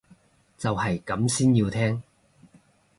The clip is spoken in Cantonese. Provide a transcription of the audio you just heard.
就係咁先要聽